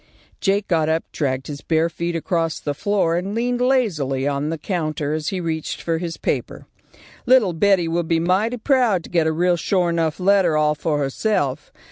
Jake got up, dragged his bare feet across the floor, and leaned lazily on the counter as he reached for his paper. "Little Betty will be mighty proud to get a real shore 'nuff letter all for herself.